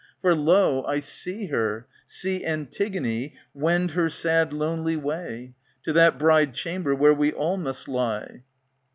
For, lo ! I see her, see Antigone Wend her sad, lonely way To that bride chamber where we all must lie.